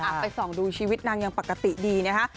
ไปส่องดูชีวิตนางยังปกติดีนะคะ